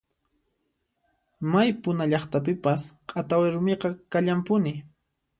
May puna llaqtapipas q'atawi rumiqa kallanpuni.